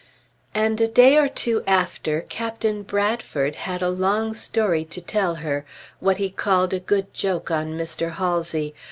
And a day or two after, Captain Bradford had a long story to tell her what he called a good joke on Mr. Halsey.